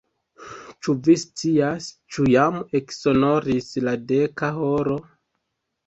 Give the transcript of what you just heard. Ĉu vi scias, ĉu jam eksonoris la deka horo?